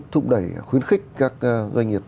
thúc đẩy khuyến khích các doanh nghiệp